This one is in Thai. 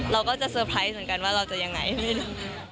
เราก็จะเตอร์ไพรส์เหมือนกันว่าเราจะยังไงไม่รู้